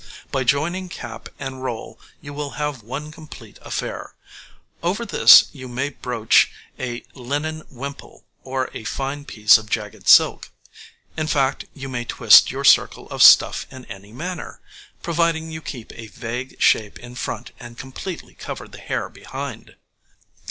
By joining cap and roll you will have one complete affair; over this you may brooch a linen wimple or a fine piece of jagged silk. In fact, you may twist your circle of stuff in any manner, providing you keep a vague U shape in front and completely cover the hair behind.